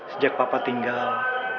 sejak papa tinggal